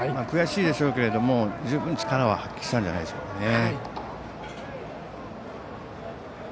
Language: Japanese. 悔しいでしょうけれども十分、力は発揮したんじゃないでしょうか。